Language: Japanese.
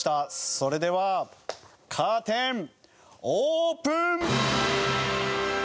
それではカーテンオープン！